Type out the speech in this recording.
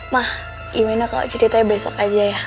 ma iwena kalau ceritanya besok aja ya